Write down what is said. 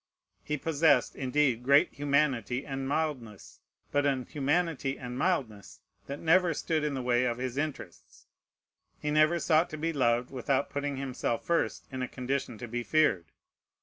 He possessed, indeed, great humanity and mildness, but an humanity and mildness that never stood in the way of his interests. He never sought to be loved without putting himself first in a condition to be feared.